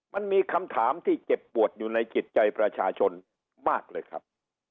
มันมีคำถามที่เจ็บปวดอยู่ในจิตใจประชาชนมากเลยครับ